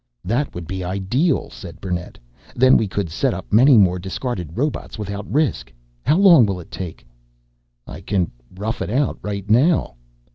"That would be ideal," said Burnett. "Then we could set up many more discarded robots without risk. How long will it take?" "I can rough it out right now."